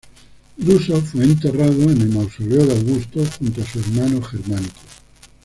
Druso fue enterrado en el mausoleo de Augusto junto a su hermano Germánico.